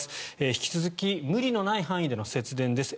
引き続き無理のない範囲での節電です。